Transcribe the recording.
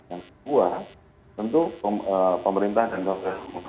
yang kedua tentu pemerintah dan kementrian hukum dan ham